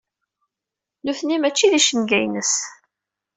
Nutni mačči d icenga-ines.